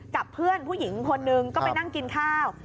กับเพื่อนผู้หญิงคนนึงก็ไปนั่งกินข้าว